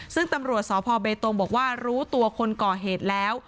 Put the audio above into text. ซึ่งตำรวจสพเบตงบอกว่ารู้ตัวคนก่อเหตุแล้ว